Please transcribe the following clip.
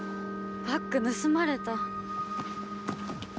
バッグ盗まれた。